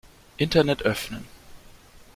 Internet öffnen.